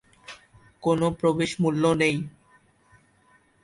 কোন প্রবেশ মূল্য নেই।